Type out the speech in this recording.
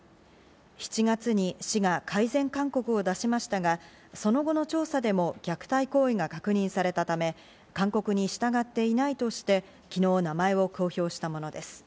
７月に市が改善勧告を出しましたが、その後の調査でも虐待行為が確認されたため、勧告に従っていないとして、昨日、名前を公表したものです。